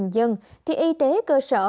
một trăm linh dân thì y tế cơ sở